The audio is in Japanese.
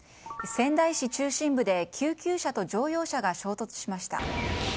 仙台市中心部で救急車と乗用車が衝突しました。